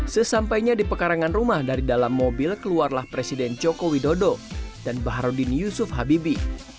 sesampainya di pekarangan rumah dari dalam mobil keluarlah presiden joko widodo dan baharudin yusuf habibi